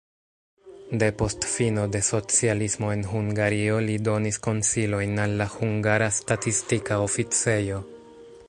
Depost fino de socialismo en Hungario li donis konsilojn al la hungara statistika oficejo.